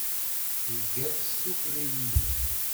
Iga-t s tuffra-inu.